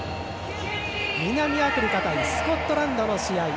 南アフリカ対スコットランドの試合。